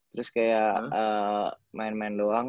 terus kayak main main doang